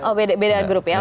oh beda grup ya